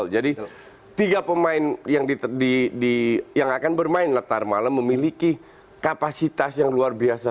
jadi tiga pemain yang akan bermain letar malam memiliki kapasitas yang luar biasa